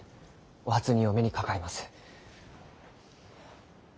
お初にお目にかかります。